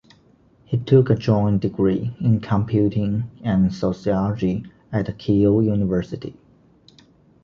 He took a joint degree in computing and sociology at Keele University.